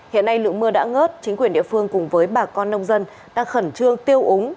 hiện nay lượng mưa đã ngớt chính quyền địa phương cùng với bà con nông dân đang khẩn trương tiêu úng